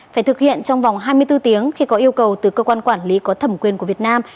phải thực hiện trong vòng hai mươi bốn tiếng khi có yêu cầu từ cơ quan quản lý có thẩm quyền của việt nam